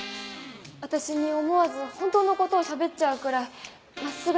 私に思わず本当のことを喋っちゃうくらい真っすぐな人たちで。